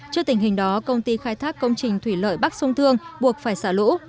trước tình hình đó công ty khai thác công trình thủy lợi bắc sông thương buộc phải xả lũ